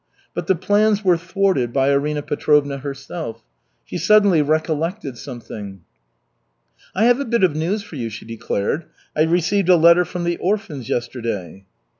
But the plans were thwarted by Arina Petrovna herself. She suddenly recollected something. "I have a bit of news for you," she declared. "I received a letter from the orphans yesterday."